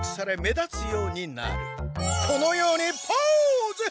このようにポーズ！